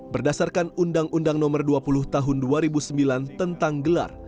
berdasarkan undang undang nomor dua puluh tahun dua ribu sembilan tentang gelar